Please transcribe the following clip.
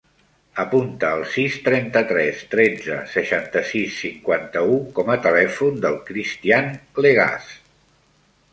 Apunta el sis, trenta-tres, tretze, seixanta-sis, cinquanta-u com a telèfon del Cristián Legaz.